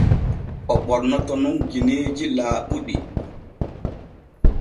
O ɓornoto nun gineeji laaɓuɗi.